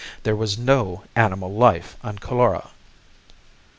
There was no animal life on Coulora!